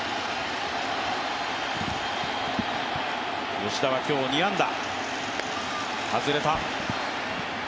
吉田は今日２安打。